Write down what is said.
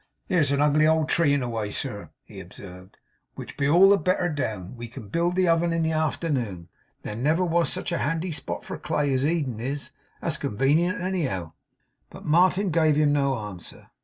'Here's ugly old tree in the way, sir,' he observed, 'which'll be all the better down. We can build the oven in the afternoon. There never was such a handy spot for clay as Eden is. That's convenient, anyhow.' But Martin gave him no answer.